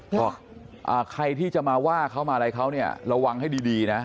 บอกใครที่จะมาว่าเขามาอะไรเขาเนี่ยระวังให้ดีนะ